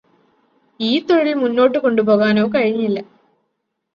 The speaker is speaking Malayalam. ഈ തൊഴില് മുന്നോട്ട് കൊണ്ടു പോകാനോ കഴിഞ്ഞില്ല